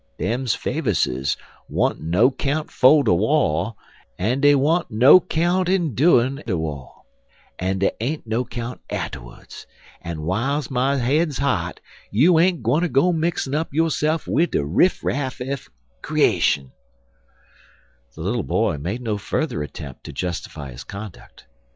Dem Favers's wa'n't no 'count 'fo' de war, en dey wa'n't no 'count endurin' er de war, en dey ain't no 'count atterwards, en w'iles my head's hot you ain't gwineter go mixin' up yo'se'f wid de riff raff er creashun." The little boy made no further attempt to justify his conduct.